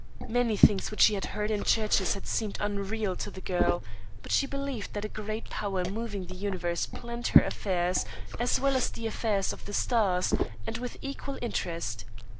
Many things which she had heard in churches had seemed unreal to the girl; but she believed that the Great Power moving the Universe planned her affairs as well as the affairs of the stars, and with equal interest.